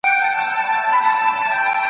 د زده کوونکو څېړنې ځانګړي اړتیاوې لري.